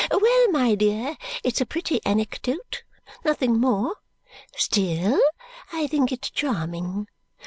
Well, my dear, it's a pretty anecdote. Nothing more. Still I think it charming.